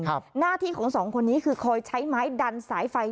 หน้าที่ของสองคนนี้คือคอยใช้ไม้ดันสายไฟ